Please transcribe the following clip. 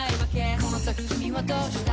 「この先君はどうしたい？」